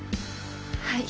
はい。